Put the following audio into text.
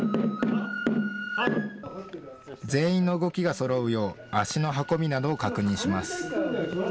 全員の動きがそろうよう足の運びなどを確認します。